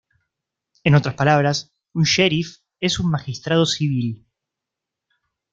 En otras palabras, un sheriff es un magistrado civil.